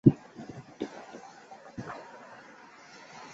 张瓘是太原监军使张承业的侄子。